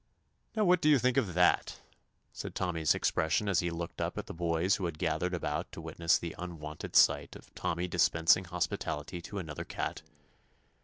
"Now what do you think of that?* said Tommy's expression as he looked up at the boys who had gathered about to witness the unwonted sight of Tommy dispensing hospitality to another cat.